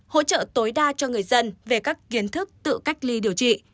hỗ trợ tối đa cho người dân về các kiến thức tự cách ly điều trị